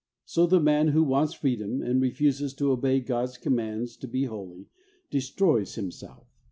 So the man who wants freedom, and refuses to obey God's commands to be holy, destroys himself.